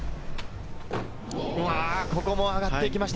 ここも上がってきました、